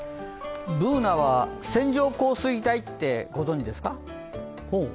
Ｂｏｏｎａは線状降水帯って、ご存じですか？